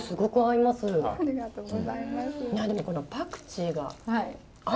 いやでもこのパクチーが合いますね。